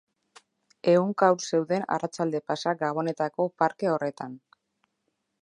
Ehunka haur zeuden arratsalde pasa gabonetako parke horretan.